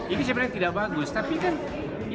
ini sebenarnya tidak bagus tapi kan ini suatu kondisi